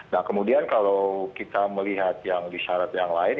nah kemudian kalau kita melihat yang disyarat yang lain